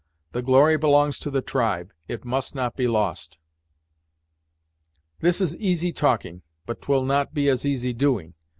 The glory belongs to the tribe; it must not be lost." "This is easy talking, but 'twill not be as easy doing.